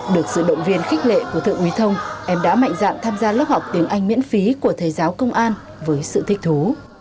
được sự động viên khích lệ của thượng quý thông em đã mạnh dạn tham gia lớp học tiếng anh miễn phí của thầy giáo công an với sự thích thú